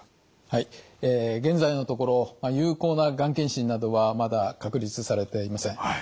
はい現在のところ有効ながん検診などはまだ確立されていません。